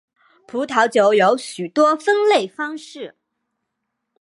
葡萄酒有许多分类方式。